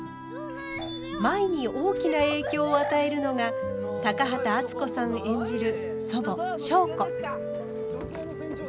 舞に大きな影響を与えるのが高畑淳子さん演じる祖母祥子。